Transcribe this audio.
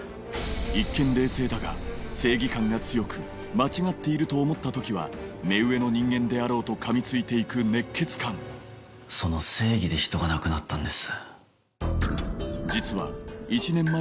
一見冷静だが正義感が強く間違っていると思った時は目上の人間であろうとかみついて行く熱血漢その正義で人が亡くなったんです。